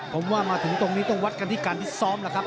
ผมว่ามาตรงนี้ต้องวัดกันที่การทิศซอมล่ะครับ